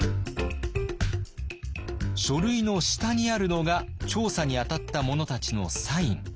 書類の下にあるのが調査に当たった者たちのサイン。